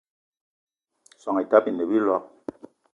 Soan Etaba ine a biloig